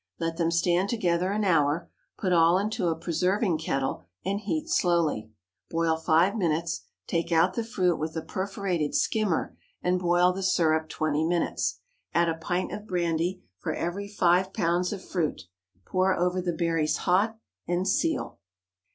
Let them stand together an hour; put all into a preserving kettle, and heat slowly; boil five minutes, take out the fruit with a perforated skimmer, and boil the syrup twenty minutes. Add a pint of brandy for every five pounds of fruit; pour over the berries hot, and seal.